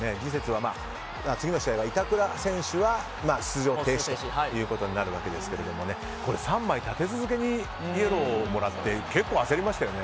次の試合は板倉選手は出場停止となりますが３枚立て続けにイエローをもらって結構焦りましたよね。